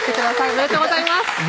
おめでとうございます。